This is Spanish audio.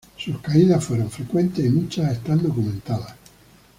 Sus caídas fueron frecuentes y muchas están documentadas.